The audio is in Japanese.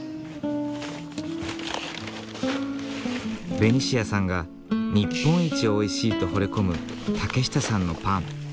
ベニシアさんが日本一おいしいとほれ込む竹下さんのパン。